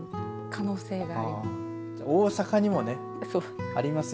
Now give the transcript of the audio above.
可能性があります。